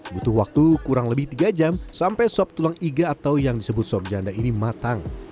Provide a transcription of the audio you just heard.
butuh waktu kurang lebih tiga jam sampai sop tulang iga atau yang disebut sop janda ini matang